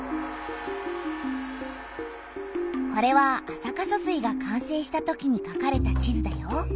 これは安積疏水が完成したときにかかれた地図だよ。